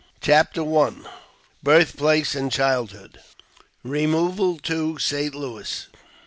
CHAPTEE I. Birth place and Childhood — Eemoval to St. Louis.